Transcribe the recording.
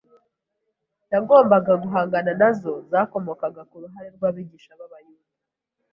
yagombaga guhangana nazo zakomokaga ku ruhare rw’abigisha b’Abayuda